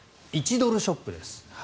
１ドルショップです。